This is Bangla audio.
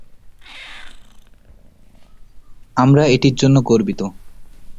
আমরা এটির জন্য গর্বিত।